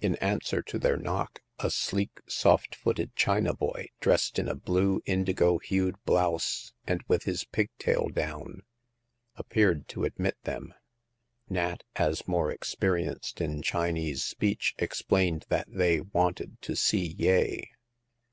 In answer to their knock, a sleek, soft footed China boy, dressed in a blue indigo hued blouse and with his pigtail down, appeared to admit them. Nat, as more experienced in Chinese speech, explained that they wanted to see Yeh.